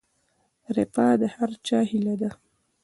رفاه د هر چا هیله ده